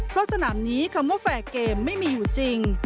เพราะสนามนี้คำว่าแฟร์เกมไม่มีอยู่จริง